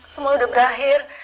semua udah berakhir